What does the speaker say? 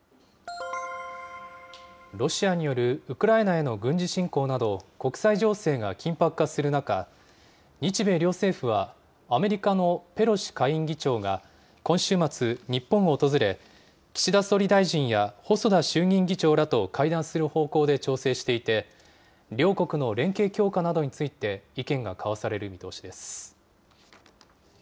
ロシアによるウクライナへの軍事侵攻など国際情勢が緊迫化する中、日米両政府は、アメリカのペロシ下院議長が今週末、日本を訪れ、岸田総理大臣や細田衆議院議長らと会談する方向で調整していて、両国の連携強化などについて意見が交わされる見通しです。